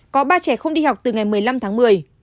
có ba trẻ không đi học từ ngày một mươi năm tháng một mươi